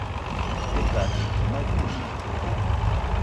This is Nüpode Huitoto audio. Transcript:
Ekasite, maɨjɨnide